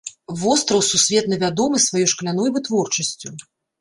Востраў сусветна вядомы сваёй шкляной вытворчасцю.